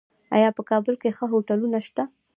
آیا په کابل کې ښه هوټلونه شته؟